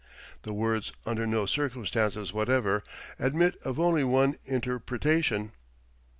The words 'under no circumstances whatever' admit of only one interpretation."